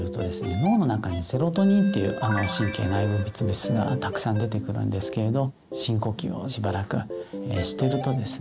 脳の中にセロトニンっていう神経内分泌物質がたくさん出てくるんですけれど深呼吸をしばらくしてるとですね